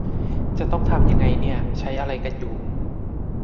จะต้องทำยังไงเนี่ย ใช้อะไรกันอยู่